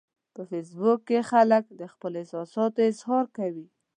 په فېسبوک کې خلک د خپلو احساساتو اظهار کوي